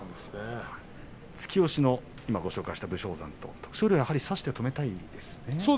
突き押しの武将山と徳勝龍は差して止めたいですね。